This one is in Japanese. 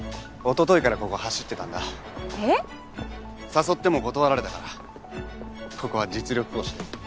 誘っても断られたからここは実力行使で。